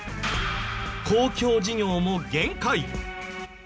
公共事業も限界。